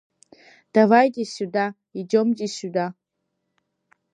Даваите сиуда, идиомте сиуда!